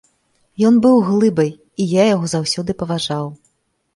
Ён быў глыбай, і я яго заўсёды паважаў.